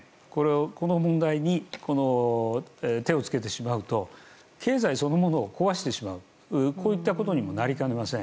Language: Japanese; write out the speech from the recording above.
この問題に手を付けてしまうと経済そのものを壊してしまうこういったことにもなりかねません。